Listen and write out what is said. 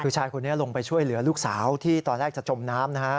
คือชายคนนี้ลงไปช่วยเหลือลูกสาวที่ตอนแรกจะจมน้ำนะฮะ